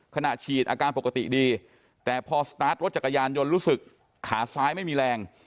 ฉีดอาการปกติดีแต่พอสตาร์ทรถจักรยานยนต์รู้สึกขาซ้ายไม่มีแรง